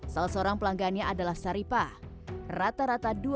terima kasih ibu